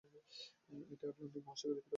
এটি আটলান্টিক মহাসাগরের তীরে অবস্থিত।